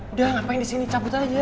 udah ngapain di sini cabut aja